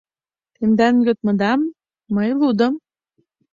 Тендан йодмыдам мый лудым.